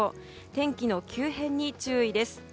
天気の急変に注意です。